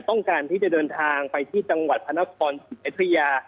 ต้องการที่จะเดินทางไปที่จังหวัดพระนครศรีอยุธยา